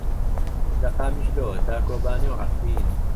لە قامیشلۆ تا کۆبانێ و عەفرین.